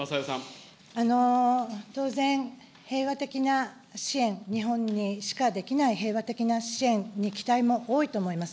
当然、平和的な支援、日本にしかできない平和的な支援に期待も多いと思います。